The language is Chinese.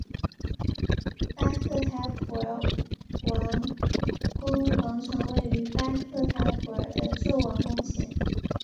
巴克塔普尔王宫广场位于巴克塔普尔的旧王宫前。